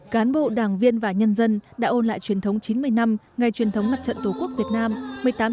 cán bộ đảng viên và nhân dân đã ôn lại truyền thống chín mươi năm ngày truyền thống mặt trận tổ quốc việt nam